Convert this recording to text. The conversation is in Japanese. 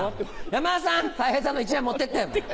山田さんたい平さんの１枚持ってって。